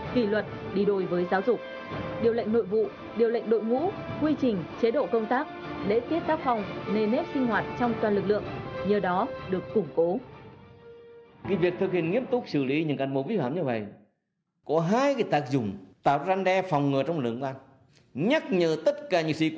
kỷ luật đi đổi với giáo dục điều lệnh nội vụ điều lệnh đội ngũ quy trình chế độ công tác lễ tiết tác phòng nề nếp sinh hoạt trong toàn lực lượng như đó được củng cố